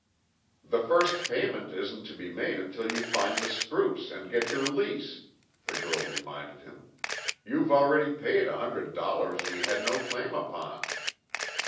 "The first payment isn't to be made until you find the spruce and get your lease," the girl reminded him. "You've already paid a hundred dollars we had no claim upon."